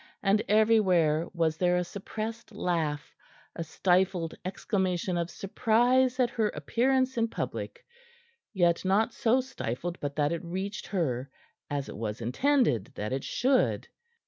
And everywhere was there a suppressed laugh, a stifled exclamation of surprise at her appearance in public yet not so stifled but that it reached her, as it was intended that it should.